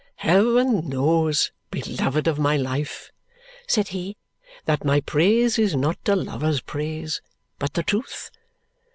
"Heaven knows, beloved of my life," said he, "that my praise is not a lover's praise, but the truth.